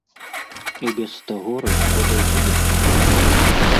І без таго расходаў будзе шмат.